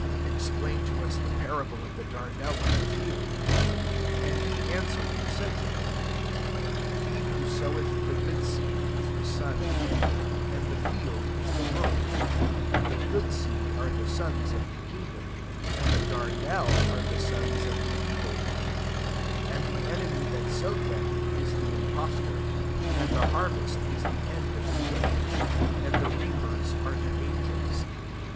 Explain to us the parable of the darnel of the field; 37 And he answering said to them, '< He who soweth the good seed is the Son of man : and the field is the world: and the good seed are the sons of the kingdom : and the darnel are the sons of the evil one ^ and 29 the enemy that sowed them is the impostor *: and the harvest is the end of the a^e : and the reapers are the ang^els.